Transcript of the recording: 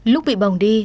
lúc bị bồng đi